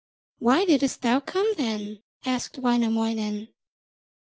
'Why didst thou come then?' asked Wainamoinen.